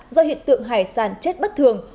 do hiện tượng hải sản chết bất thường